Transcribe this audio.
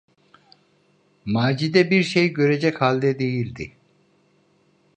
Macide bir şey görecek halde değildi.